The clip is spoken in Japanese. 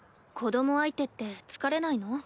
子供相手って疲れないの？